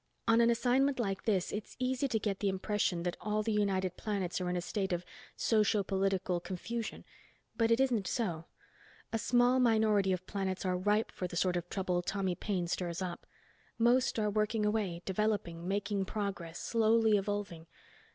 On an assignment like this, it's easy to get the impression that all the United Planets are in a state of socio political confusion, but it isn't so. A small minority of planets are ripe for the sort of trouble Tommy Paine stirs up. Most are working away, developing, making progress, slowly evolving.